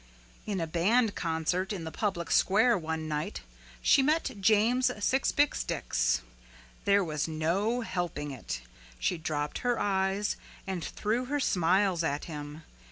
At a band concert in the public square one night she met James Sixbixdix. There was no helping it. She dropped her eyes and threw her smiles at him.